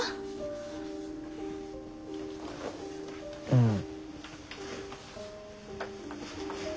うん。